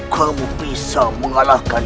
kamu bisa mengalahkan